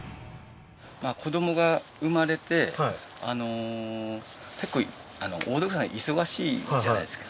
子どもが生まれて結構大道具さん忙しいじゃないですか。